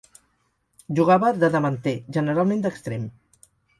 Jugava de davanter, generalment d'extrem.